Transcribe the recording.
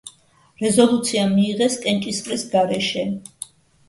რეზოლუცია მიიღეს კენჭისყრის გარეშე.